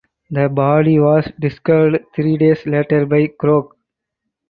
The body was discovered three days later by Krohg.